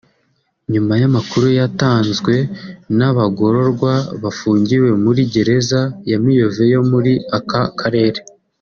nyuma y’amakuru yatanzwe n’abagororwa bafungiye muri gereza ya Miyove yo muri aka Karere